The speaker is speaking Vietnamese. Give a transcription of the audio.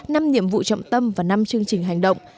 năm nhiệm vụ trọng tâm và năm chương trình hành động